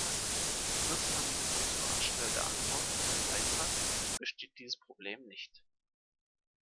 Nutzt man diese Funktion anstelle der Antwort auf einen Beitrag, besteht dieses Problem nicht.